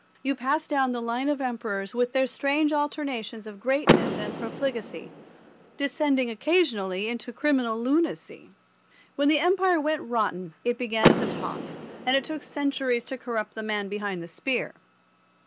You pass down the line of the Emperors with their strange alternations of greatness and profligacy, descending occasionally to criminal lunacy. When the Empire went rotten it began at the top, and it took centuries to corrupt the man behind the spear.